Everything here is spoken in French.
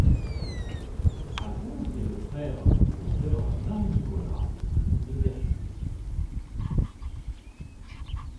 Alphonse est le frère du docteur Marie-Nicolas Devergie.